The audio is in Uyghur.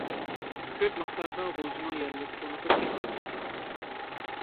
كۆپ مىقداردا غۇلجىنىڭ يەرلىك قونىقى سېتىلىدۇ.